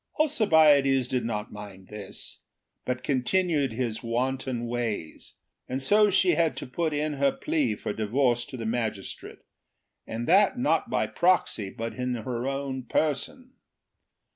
Alcibiades did not mind this, but continued his wanton ways, and so she had to put in her plea for divorce to the magistrate, and that not by proxy, but in her own person.